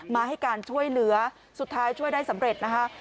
มาให้การช่วยเหลือสุดท้ายช่วยได้สำเร็จนะคะ